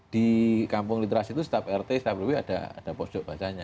di kampung literasi itu setiap rt setiap rw ada pojok bacanya